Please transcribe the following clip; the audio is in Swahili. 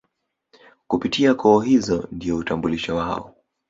Kupitia koo hizo ndio utambulisho wao